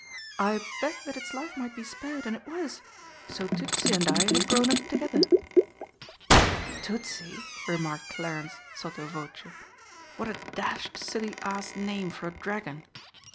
"I begged that its life might be spared, and it was. So Tützi and I have grown up together." "Tootsie!" remarked Clarence sotto voce, "what a dashed silly ass name for a dragon!"